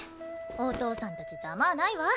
お父さんたちざまあないわ。